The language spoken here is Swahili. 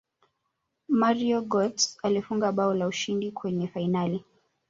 mario gotze alifunga bao la ushindi kwenye fainali